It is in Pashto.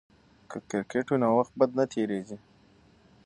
که کرکټ وي نو وخت نه بد تیریږي.